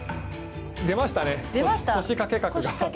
出ましたね、腰かけ角が。